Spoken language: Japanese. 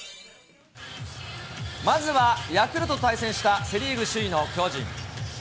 まずは、ヤクルトと対戦したセ・リーグ首位の巨人。